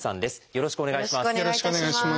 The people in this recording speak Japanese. よろしくお願いします。